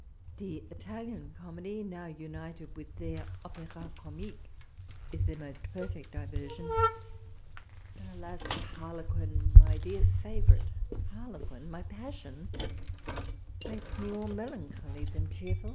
The Italian comedy, now united with their npcra comiquc, is their most perfect diversion ; but alas ! harlequin, my dear favourite harlequin, my passion, makes me more melancholy than cheerful.